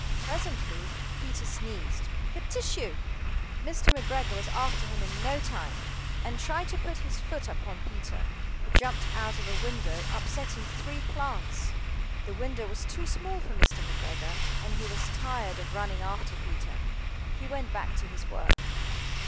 Presently Peter sneezed "Kertyschoo!" Mr. McGregor was after him in no time, AND tried to put his foot upon Peter, who jumped out of a window, upsetting three plants. The window was too small for Mr. McGregor, and he was tired of running after Peter. He went back to his work.